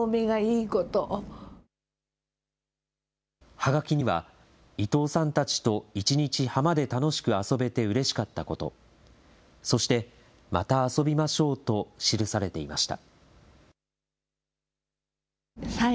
はがきには、伊藤さんたちと１日、浜で楽しく遊べてうれしかったこと、そして、また遊びましょうと記されていました。